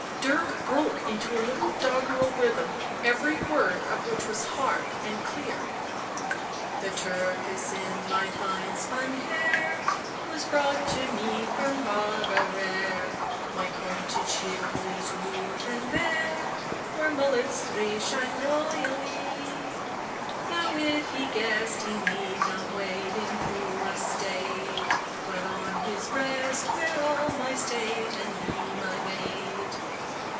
Dirk broke into a little doggerel rhyme, every word of which was hard and clear. " The turkis in my fine spun hair Was brought to me from Barbaric. My pointed shield is rouge and vair, Where mullets three shine royallie. Now if he guessed, He need not wait in poor estate, But on his breast Wear all my state and be my mate.